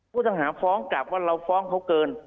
ผู้ต้องหาฟ้องกลับว่าเราฟ้องเขาเกิน